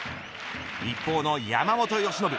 一方の山本由伸。